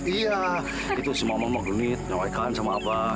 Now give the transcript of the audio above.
iya itu semua mama menggunit nyalakan sama abah